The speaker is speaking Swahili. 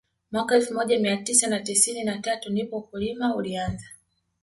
Mwaka elfu moja mia tisa na tisini na tatu ndipo ukulima ulianza